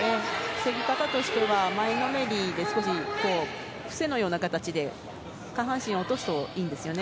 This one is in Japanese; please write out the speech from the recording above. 攻め方としては前のめりで伏せのような形で下半身を落とすといいんですよね。